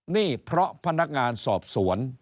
นี่เพราะพนักงานสอบสวน